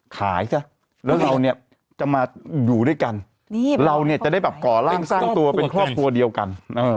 ซะแล้วเราเนี่ยจะมาอยู่ด้วยกันเราเนี่ยจะได้แบบก่อร่างสร้างตัวเป็นครอบครัวเดียวกัน